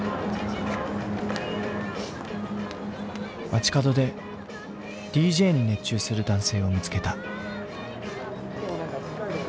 街角でＤＪに熱中する男性を見つけた。